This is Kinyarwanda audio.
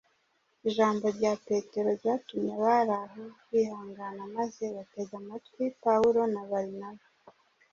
Ijambo rya Petero ryatumye abari aho bihangana maze batega amatwi Pawulo na Barinaba.